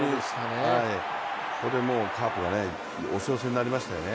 ここでカープが押せ押せになりましたよね。